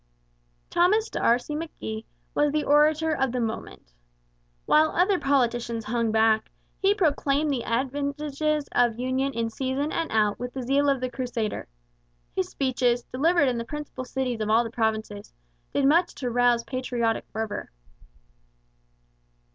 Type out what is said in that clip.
Thomas D'Arcy McGee was the orator of the movement. While other politicians hung back, he proclaimed the advantages of union in season and out with the zeal of the crusader. His speeches, delivered in the principal cities of all the provinces, did much to rouse patriotic fervour.